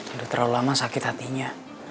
sudah terlalu lama sakit hatinya